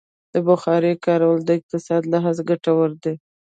د بخارۍ کارول د اقتصادي لحاظه ګټور دي.